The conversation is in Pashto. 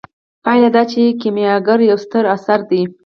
پایله دا چې کیمیاګر یو ستر اثر دی.